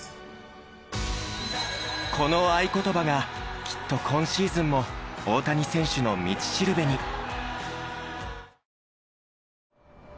この愛ことばがきっと今シーズンも大谷選手の道しるべに。